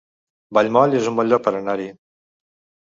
Vallmoll es un bon lloc per anar-hi